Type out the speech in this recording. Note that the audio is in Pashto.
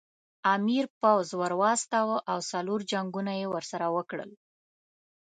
امیر پوځ ور واستاوه او څلور جنګونه یې ورسره وکړل.